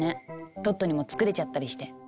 トットにも作れちゃったりして。